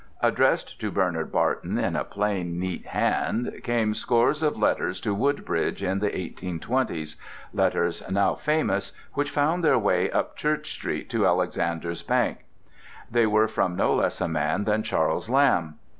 Addressed to Bernard Barton, in a plain, neat hand, came scores of letters to Woodbridge in the eighteen twenties, letters now famous, which found their way up Church Street to Alexander's Bank. They were from no less a man than Charles Lamb.